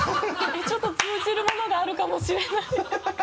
ちょっと通じるものがあるかもしれない